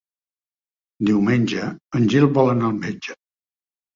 Diumenge en Gil vol anar al metge.